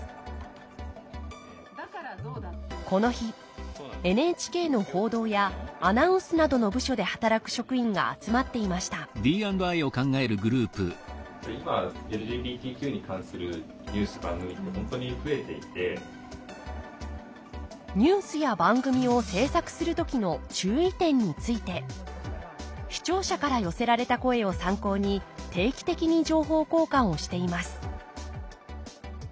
この日ＮＨＫの報道やアナウンスなどの部署で働く職員が集まっていましたニュースや番組を制作する時の注意点について視聴者から寄せられた声を参考に定期的に情報交換をしています